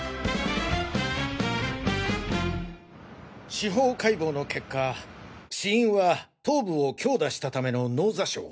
司法解剖の結果死因は頭部を強打したための脳挫傷。